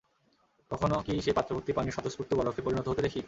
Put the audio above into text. কখনো কি সেই পাত্রভর্তি পানি স্বতঃস্ফূর্ত বরফে পরিণত হতে দেখি?